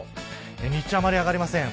日中はあんまり上がりません。